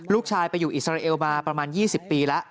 ลูกชายไปอยู่อิสราเอลมาประมาณ๒๐ปีแล้ว